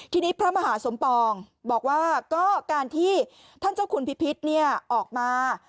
ทีนี้พระมหาสมปองบอกว่าก็การที่ท่านเจ้าคุณพิพิษออกมา